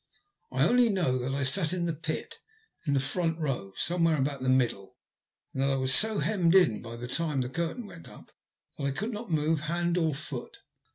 I only know that I sat in the pit, in the front row, somewhere about the middle, and that I was so hemmed in by the time the curtain went up, that I could not move hand or foot.